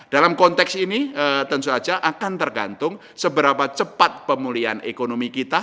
dalam konteks ini tentu saja akan tergantung seberapa cepat pemulihan ekonomi kita